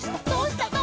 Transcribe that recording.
「どうした？」